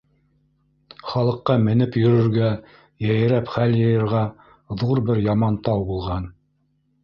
Халыҡҡа менеп йөрөргә, йәйрәп хәл йыйырға ҙур бер яман тау булған.